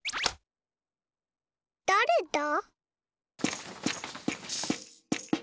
だれだ？